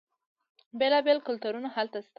بیلا بیل کلتورونه هلته شته.